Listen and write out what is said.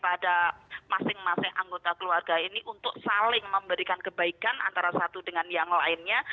pada masing masing anggota keluarga ini untuk saling memberikan kebaikan antara satu dengan yang lainnya